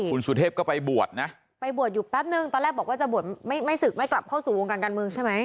คุณสุเทพก็ไปบวชนะไปบวชอยู่แป๊บนึงตอนแรกบอกว่าจะบวชไม่ศึกไม่กลับเข้าสู่วงการการเมืองใช่ไหม